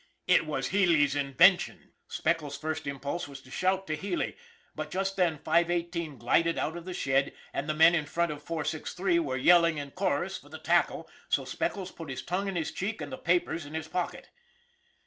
It was Healy's invention! Speckles' first impulse was to shout to Healy, but just then 518 glided out of the shed, and the men in front of 463 were yelling in chorus for the tackle, so Speckles put his tongue in his cheek and the papers in his pocket.